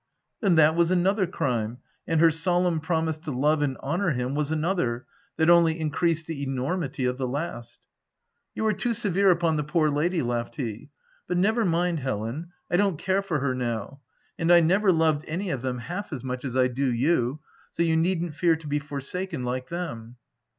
" Then that was another crime, and her so lemn promise to love and honour him was another, that only increased the enormity of the last/' OF WJLDFELL HALL. 83 " You are too severe upon the poor lady," laughed he. " But never mind, Helen, I don't care for her now ; and I never loved any of them half as much as I do you; so you needn't fear to be forsaken like them."